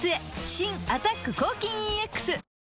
新「アタック抗菌ＥＸ」